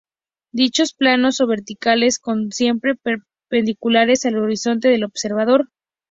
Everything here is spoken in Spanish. Dichos planos o "verticales" son siempre perpendiculares al horizonte del observador.